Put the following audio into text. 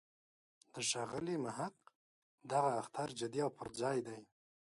د ښاغلي محق دغه اخطار جدی او پر ځای دی.